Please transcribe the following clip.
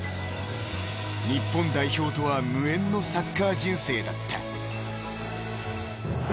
［日本代表とは無縁のサッカー人生だった］